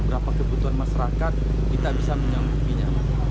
berapa kebutuhan masyarakat kita bisa menyambunginya